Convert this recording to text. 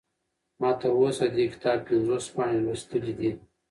ما تر اوسه د دې کتاب پنځوس پاڼې لوستلي دي.